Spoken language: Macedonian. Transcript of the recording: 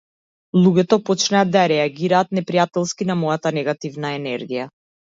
Луѓето почнаа да реагираат непријателски на мојата негативна енергија.